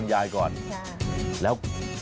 แล้วทำมานานกี่สิบปีแล้วครับ